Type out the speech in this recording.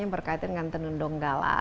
yang berkaitan dengan tendung nunggala